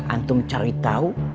antum cari tau